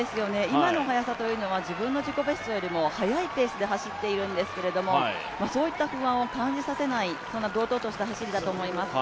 今の速さというのは自分の自己ベストよりも速いペースで走っているんですけれども、そういった不安を感じさせない堂々とした走りだと思います。